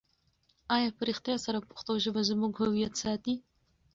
آیا په رښتیا سره پښتو ژبه زموږ هویت ساتي؟